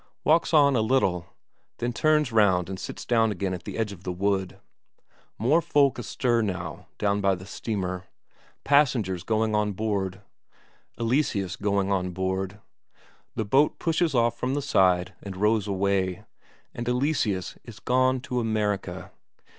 Walks on a little, then turns round and sits down again at the edge of the wood. More folk astir now down by the steamer; passengers going on board, Eleseus going on board; the boat pushes off from the side and rows away. And Eleseus is gone to America.